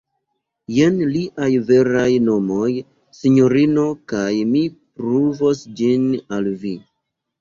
jen liaj veraj nomoj, sinjorino, kaj mi pruvos ĝin al vi.